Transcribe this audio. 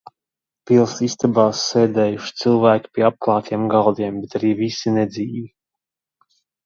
Pils istabās sēdējuši cilvēki pie apklātiem galdiem, bet arī visi nedzīvi.